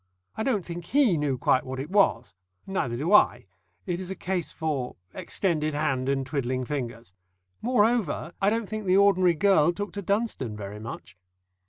I don't think he knew quite what it was. Neither do I it is a case for extended hand and twiddling fingers. Moreover, I don't think the ordinary girl took to Dunstone very much.